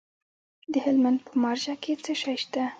د هلمند په مارجه کې څه شی شته؟